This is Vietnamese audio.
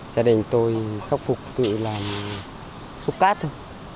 gia đình tôi khắc phục tự làm xúc cát thôi